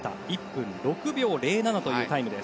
１分６秒０７というタイム。